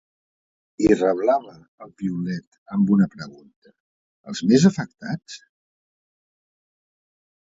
I reblava el piulet amb una pregunta: Els més afectats?